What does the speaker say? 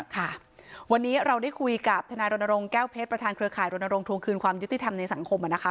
ค่ะวันนี้เราได้คุยกับทนายรณรงค์แก้วเพชรประธานเครือข่ายรณรงควงคืนความยุติธรรมในสังคมนะคะ